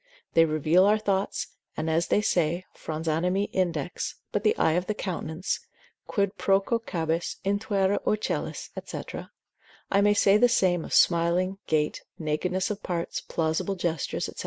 They reveal our thoughts, and as they say, frons animi index, but the eye of the countenance, Quid procacibus intuere ocellis? &c. I may say the same of smiling, gait, nakedness of parts, plausible gestures, &c.